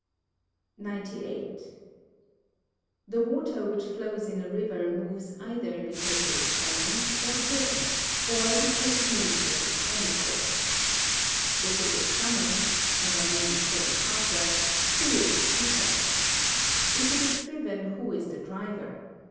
[Sidenote: Against the Seekers of Perpetual Motion] 98. The water which flows in a river moves either because it is summoned or driven, or because it moves of its own accord. If it is summoned, and I mean sought after, who is the seeker? If it is driven, who is the driver?